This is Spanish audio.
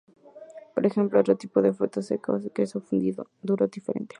Por ejemplo, otro tipo de fruto seco o un queso duro diferente.